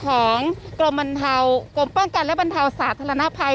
ของกรมบรรเทากรมป้องกันและบรรเทาสาธารณภัย